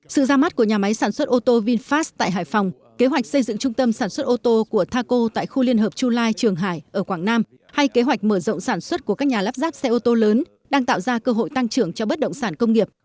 sự ra mắt của nhà máy sản xuất ô tô vinfast tại hải phòng kế hoạch xây dựng trung tâm sản xuất ô tô của taco tại khu liên hợp chu lai trường hải ở quảng nam hay kế hoạch mở rộng sản xuất của các nhà lắp ráp xe ô tô lớn đang tạo ra cơ hội tăng trưởng cho bất động sản công nghiệp